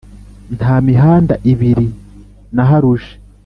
Nta mihanda ibiri naharuje!